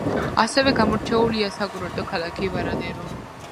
ასევე გამორჩეულია საკურორტო ქალაქი ვარადერო.